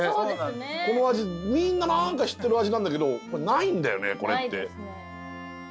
この味みんななんか知ってる味なんだけどないんだよねこれって。